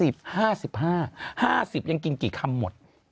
๕๕บาท๕๐บาทยังกินกี่คำหมด